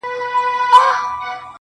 دغه که ګناه وي زه پخوا دوږخ منلی یم -